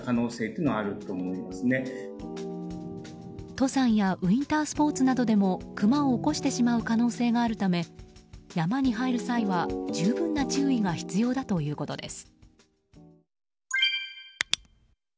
登山やウィンタースポーツなどでもクマを起こしてしまう可能性があるため山に入る際は、十分な注意が必要だということです。